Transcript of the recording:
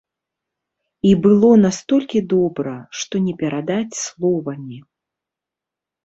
І было настолькі добра, што не перадаць словамі.